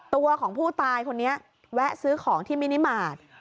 ตัวของผู้ตายคนนี้แวะซื้อของที่มินิมาตร